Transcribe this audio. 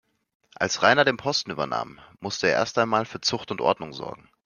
Als Rainer den Posten übernahm, musste er erst einmal für Zucht und Ordnung sorgen.